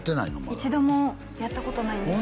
一度もやったことないんですよ